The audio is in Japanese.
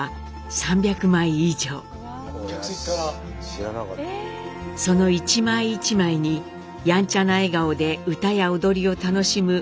その一枚一枚にやんちゃな笑顔で歌や踊りを楽しむ息子の姿がありました。